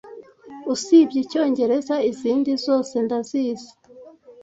usibye Icyongereza izindi zose ndazizi